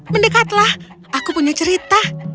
mendekatlah aku punya cerita